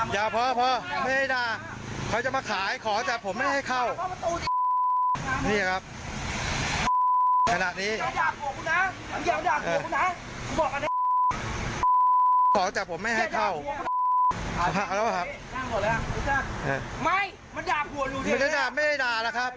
อย่าแดกผมนะ